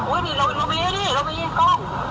อุ้ยเราเบี้ยดดิเราเบี้ยดก็